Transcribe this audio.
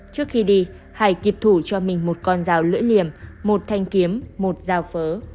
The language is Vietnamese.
trước khi đi hải kịp thủ cho mình một con dao lưỡi liềm một thanh kiếm một dao phớ